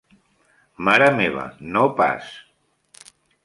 Mare meva, no pas.